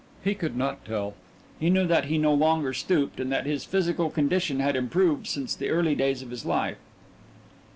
He could not tell. He knew that he no longer stooped, and that his physical condition had improved since the early days of his life.